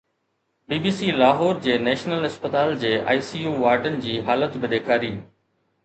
بي B C Lahore جي national اسپتال جي آءِ سي يو وارڊن جي حالت به ڏيکاري